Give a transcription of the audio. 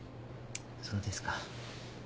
そうですか。